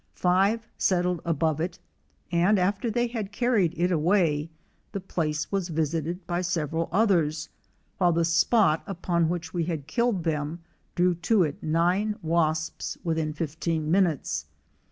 Five settled above it, and after they had carried it away the place was visited by several others, while the spot upon which we had killed them drew to it nine wasps within fifteen minutes.